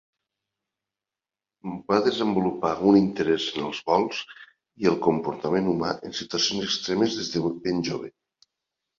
Va desenvolupar un interès en els vols i el comportament humà en situacions extremes des de ben jove.